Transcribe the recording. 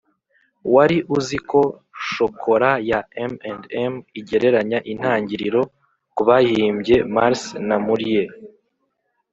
wari uziko shokora ya m & m igereranya intangiriro kubayihimbye mars na murrie